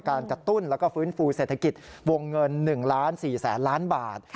กระตุ้นแล้วก็ฟื้นฟูเศรษฐกิจวงเงิน๑ล้าน๔แสนล้านบาท